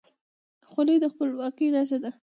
خولۍ د خپلواکۍ نښه ده.